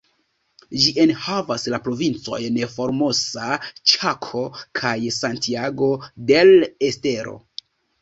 Ĝi enhavas la provincojn Formosa, Ĉako, kaj Santiago del Estero.